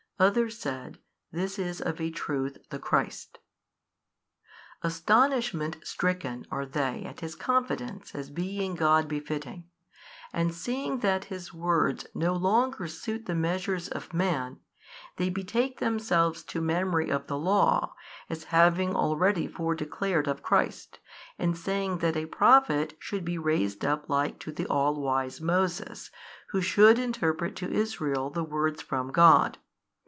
Others said, This is of a truth 9 the Christ. Astonishment stricken are they at His confidence as being God befitting, and seeing that His words no longer suit the measures of man, they betake themselves to memory of the Law, as having already fore declared of Christ, and saying that a Prophet should be raised up like to the all wise Moses who should interpret to Israel the words from God.